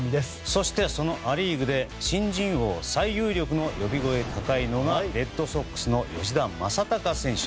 そして、そのア・リーグで新人王最有力の呼び声高いのがレッドソックスの吉田正尚選手。